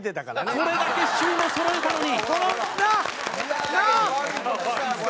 これだけ守備もそろえたのに！